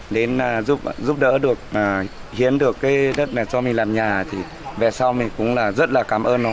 đến giúp đỡ được hiến được đất này cho mình làm nhà về sau mình cũng rất là cảm ơn họ